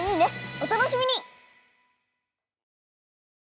お楽しみに！